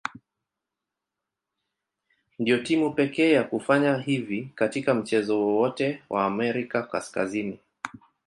Ndio timu pekee ya kufanya hivi katika mchezo wowote wa Amerika Kaskazini.